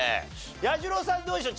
彌十郎さんどうでしょう？